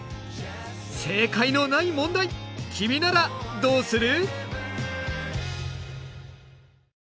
正解のない問題君ならどうする？